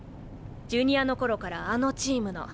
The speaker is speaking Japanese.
ジュニアの頃からあのチームの。